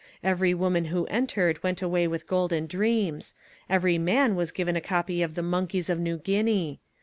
Every woman who entered went away with Golden Dreams: every man was given a copy of the Monkeys of New Guinea.